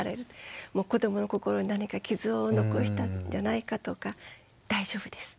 子どもの心に何か傷を残したんじゃないかとか大丈夫です。